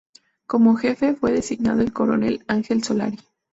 Como jefe fue designado el coronel Ángel Solari.